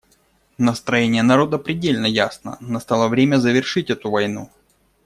Настроение народа предельно ясно: настало время завершить эту войну.